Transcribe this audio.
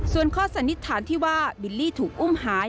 ส่วนข้อสันนิษฐานที่ว่าบิลลี่ถูกอุ้มหาย